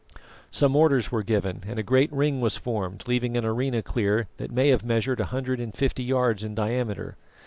Some orders were given and a great ring was formed, leaving an arena clear that may have measured a hundred and fifty yards in diameter.